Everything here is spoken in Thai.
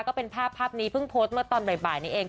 ก็เป็นภาพภาพนี้เพิ่งโพสต์เมื่อตอนบ่ายนี้เอง